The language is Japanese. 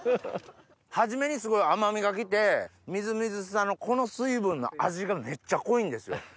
はじめにすごい甘みが来てみずみずしさのこの水分の味がめっちゃ濃いんですよ。